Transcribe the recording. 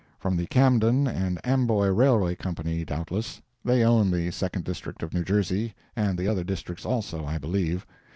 From the Camden and Amboy Railroad Company, doubtless. They own the Second District of New Jersey, and the other Districts, also, I believe.